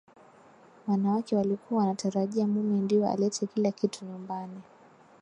Wanawake walikuwa wanatarajia mume ndio alete kila kitu nyumbani